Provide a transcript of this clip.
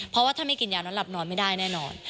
เพราะว่าถ้าไม่กินยานอนหลับนอนไม่ได้แน่นอน